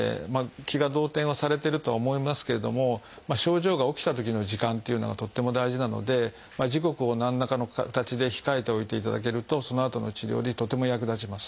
気が動転はされてるとは思いますけれども症状が起きたときの時間っていうのがとっても大事なので時刻を何らかの形で控えておいていただけるとそのあとの治療でとても役立ちます。